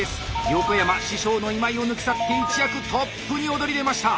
横山師匠の今井を抜き去って一躍トップに躍り出ました！